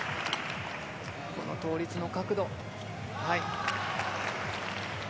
この倒立の角度、はい。